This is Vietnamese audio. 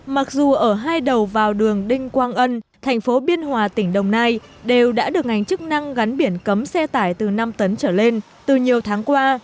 mặc dù ở hai đầu vào đường đinh quang ân thành phố biên hòa tỉnh đồng nai đều đã được ngành chức năng gắn biển cấm xe tải từ năm tấn trở lên từ nhiều tháng qua